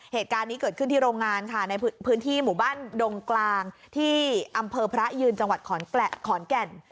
เหตุการณ์นี้เกิดขึ้นที่โรงงานค่ะในพื้นที่หมู่บ้านดงกลางที่อำเภอพระยืนจังหวัดขอนแก่น